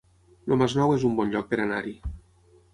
El Masnou es un bon lloc per anar-hi